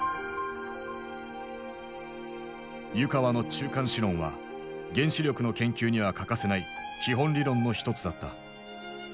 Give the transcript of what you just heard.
湯川の中間子論は原子力の研究には欠かせない基本理論の一つだった。